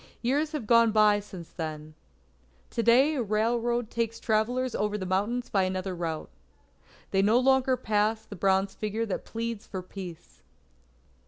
Years have gone by since then. To day a railroad takes travellers over the mountains by another route. They no longer pass the bronze figure that pleads for Peace.